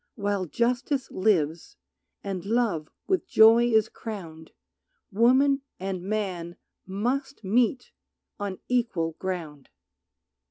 While justice lives, and love with joy is crowned Woman and man must meet on equal ground.